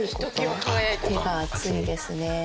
手が厚いですね。